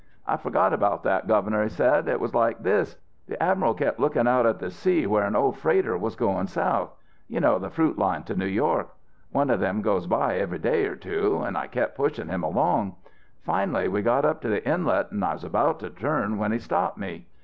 "'I forgot about that, Governor,' he said. 'It was like this: The admiral kept looking out at the sea where an old freighter was going South. You know, the fruit line to New York. One of them goes by every day or two. And I kept pushing him along. Finally we got up to the Inlet, and I was about to turn when he stopped me.